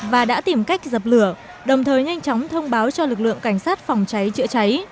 và đã tìm cách dập lửa đồng thời nhanh chóng thông báo cho lực lượng cảnh sát phòng cháy chữa cháy